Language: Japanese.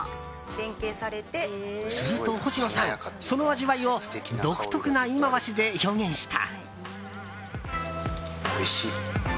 すると、星野さんその味わいを独特な言い回しで表現した。